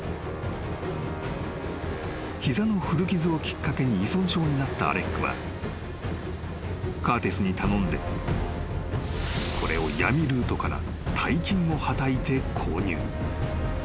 ［膝の古傷をきっかけに依存症になったアレックはカーティスに頼んでこれを闇ルートから大金をはたいて購入］